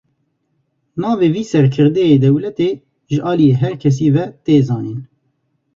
Navê vî serkirdeyê dewletê ji aliyê her kesî ve tê zanîn.